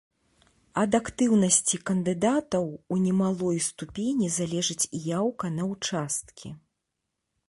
Ад актыўнасці кандыдатаў у немалой ступені залежыць і яўка на ўчасткі.